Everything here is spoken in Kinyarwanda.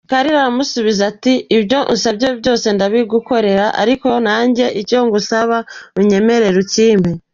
Kalira aramusubiza ati: «Ibyo unsabye byose ndabigukorera, ariko nanjye icyo ngusaba unyemerere ukimpe».